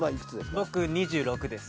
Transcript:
僕２６です。